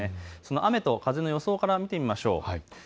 雨と風の予想から見てみましょう。